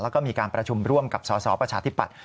แล้วก็มีการประชุมร่วมกับสสประชาธิปัตย